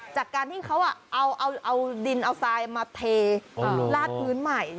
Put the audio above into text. จากการที่เขาเอาดินเอาทรายมาเทลาดพื้นใหม่